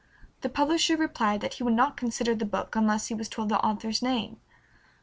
This publisher replied that he would not consider the book unless he were told the author's name.